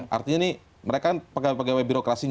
artinya ini mereka kan pegawai pegawai birokrasinya